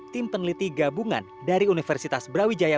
tim peneliti gabungan dari universitas brawijaya